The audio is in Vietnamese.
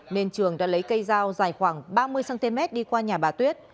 nên trường đã lấy cây dao dài khoảng ba mươi cm đi qua nhà bà tuyết